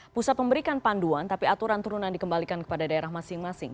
pusat memberikan panduan tapi aturan turunan dikembalikan kepada daerah masing masing